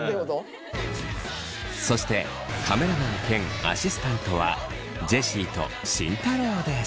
そしてカメラマン兼アシスタントはジェシーと慎太郎です。